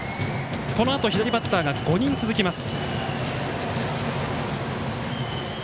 このあと左バッターが５人続きます。